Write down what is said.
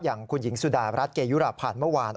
อย่างคุณหญิงสุดารัฐเกยุราพันธ์เมื่อวาน